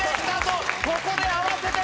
ここで合わせてきたぞ！